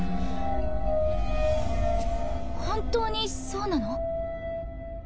本当にそうなの？